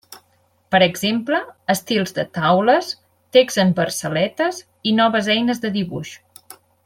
Per exemple, estils de taules, text en versaletes i noves eines de dibuix.